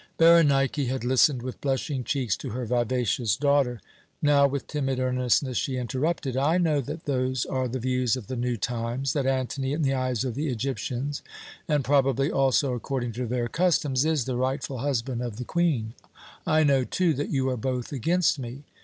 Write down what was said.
Berenike had listened with blushing cheeks to her vivacious daughter; now with timid earnestness she interrupted: "I know that those are the views of the new times; that Antony in the eyes of the Egyptians, and probably also according to their customs, is the rightful husband of the Queen. I know, too, that you are both against me.